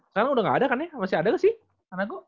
sekarang udah ga ada kan ya masih ada ga sih tanago